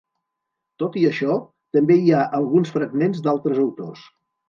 Tot i això, també hi ha alguns fragments d’altres autors.